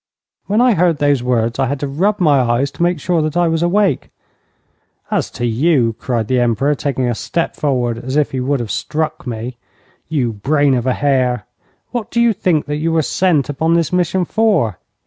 When I heard those words I had to rub my eyes to make sure that I was awake. 'As to you,' cried the Emperor, taking a step forward as if he would have struck me, 'you brain of a hare, what do you think that you were sent upon this mission for?